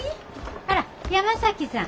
あら山崎さん。